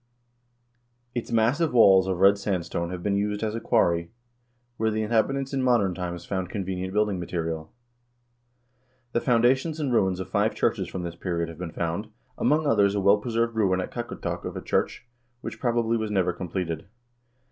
Its massive walls of red sandstone have been used as a quarry where the inhabit ants in modern times bio. 44. — liuins of the cnurcn at Kakortok, Greenland. found convenient building material. The foundations and ruins of five churches from this period have been found, among others a well preserved ruin at Kakortok of a church, which, probably, was never completed.